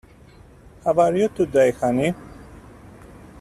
How are you today honey?